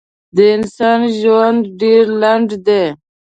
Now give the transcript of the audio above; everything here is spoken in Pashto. د انسان ژوند ډېر لنډ دی.